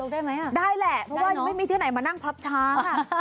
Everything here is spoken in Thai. ได้แหละเพราะว่ายังไม่มีที่ไหนมานั่งพรับช้า